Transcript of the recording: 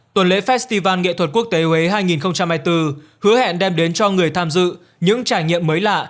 tuần lễ festival nghệ thuật quốc tế huế hai nghìn hai mươi bốn hứa hẹn đem đến cho người tham dự những trải nghiệm mới lạ